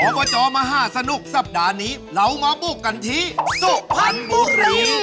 บจมหาสนุกสัปดาห์นี้เรามาบุกกันที่สุพรรณบุรี